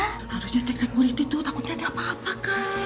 harusnya cek sekuriti tuh takutnya ada apa apa kan